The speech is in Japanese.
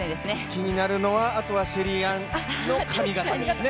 気になるのはあとはシェリーアンの髪形ですね。